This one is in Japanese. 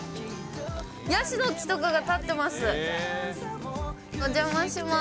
ヤシの木とかが立ってます。